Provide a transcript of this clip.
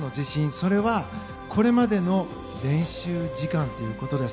それは、これまでの練習時間ということです。